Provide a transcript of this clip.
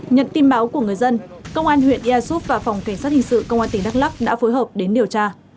nhận tin báo của người dân công an huyện e soup và phòng cảnh sát hình sự công an tỉnh đắk lắk đã phối hợp đến điều tra